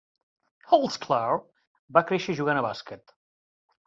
Holdsclaw va créixer jugant al bàsquet.